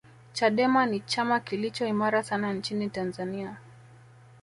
chadema ni chama kilicho imara sana nchini tanzania